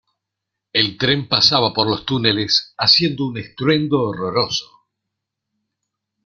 El tren pasaba por los túneles haciendo un estruendo horroroso.